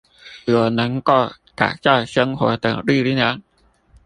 有能夠改造生活的力量